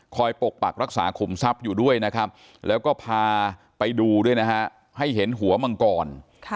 ปกปักรักษาขุมทรัพย์อยู่ด้วยนะครับแล้วก็พาไปดูด้วยนะฮะให้เห็นหัวมังกร